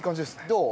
どう？